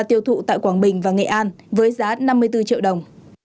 tiêu thụ tại quảng bình và nghệ an với giá năm mươi bốn triệu đồng